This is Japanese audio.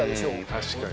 確かに。